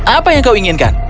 apa yang kau inginkan